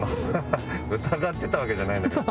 疑ってたわけじゃないんだけど。